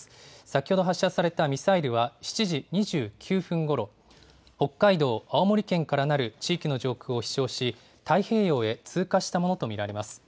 先ほど発射されたミサイルは７時２９分ごろ、北海道、青森県からなる地域の上空を飛しょうし、太平洋へ通過したものと見られます。